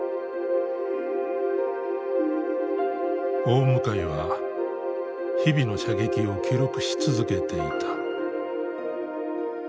大向は日々の射撃を記録し続けていた。